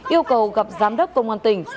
yêu cầu gặp giám đốc công an tỉnh